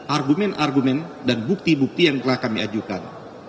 argumen argumen dan bukti bukti yang telah kami ajukan